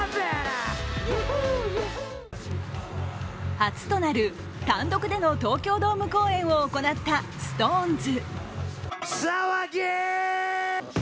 初となる単独での東京ドーム公演を行ったＳｉｘＴＯＮＥＳ。